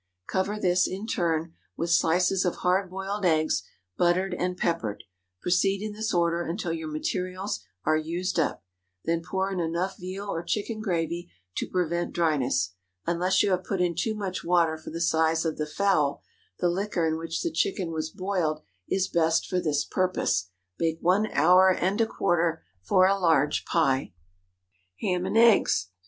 Cover this, in turn, with slices of hard boiled eggs, buttered and peppered. Proceed in this order until your materials are used up. Then pour in enough veal or chicken gravy to prevent dryness. Unless you have put in too much water for the size of the fowl, the liquor in which the chicken was boiled is best for this purpose. Bake one hour and a quarter for a large pie. HAM AND EGGS.